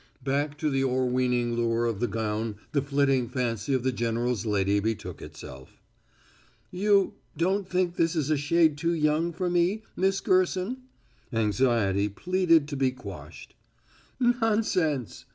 Back to the o'erweening lure of the gown the flitting fancy of the general's lady betook itself. "You don't think this is a shade too young for me, Miss Gerson?" Anxiety pleaded to be quashed. "Nonsense!"